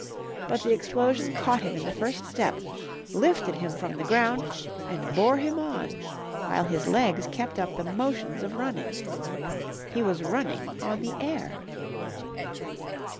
But the explosion caught him in the first step, lifted him from the ground, and bore him on, while his legs kept up the motions of running. He was running on the air.